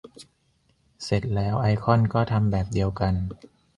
เสร็จแล้ว ไอคอนก็ทำแบบเดียวกัน